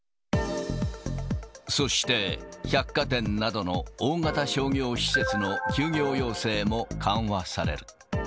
そして、百貨店などの大型商業施設の休業要請も緩和される。